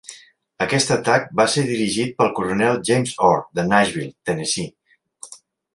Aquest atac va ser dirigit pel coronel James Orr de Nashville, Tennessee.